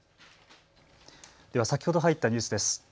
では先ほど入ったニュースです。